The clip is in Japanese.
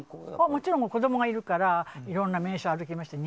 もちろん、子供がいるからいろんな名所を歩きましたよ。